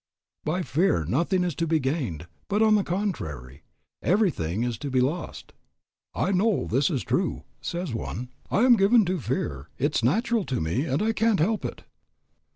By fear nothing is to be gained, but on the contrary, everything is to be lost. "I know this is true," says one, "but I am given to fear; it's natural to me and I can't help it."